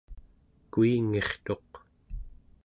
kuingirtuq